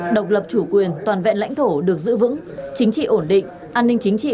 độc lập chủ quyền toàn vẹn lãnh thổ được giữ vững chính trị ổn định an ninh chính trị